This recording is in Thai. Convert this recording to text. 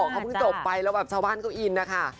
เขาเคยกินเต่าไปแล้วชาวบ้านก็อินนะคะ